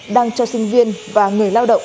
đang cho sinh viên và người lao động